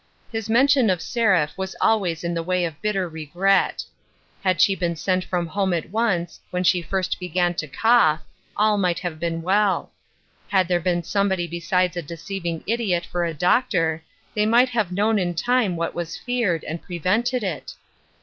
His mention of Seraph was always in the way of bitter regret. Had she been sent from home at once, when she first began to cough, all might, have been well. Had there been somebody besides a deceiving idiot for a doctor, they might have known in time what was feared, and prevented it.